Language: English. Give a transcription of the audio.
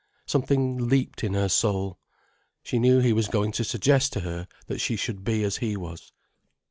Something leaped in her soul. She knew he was going to suggest to her that she should be as he was.